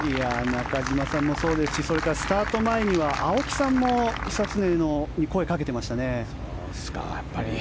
中島さんもそうですしそれからスタート前には青木さんも久常に声をかけてましたね。